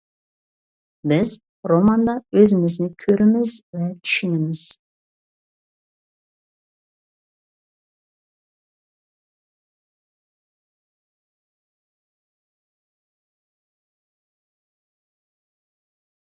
بىز روماندا ئۆزىمىزنى كۆرىمىز ۋە چۈشىنىمىز.